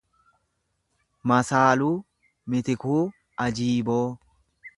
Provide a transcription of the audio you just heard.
Masaaluu Mitikuu Ajiiboo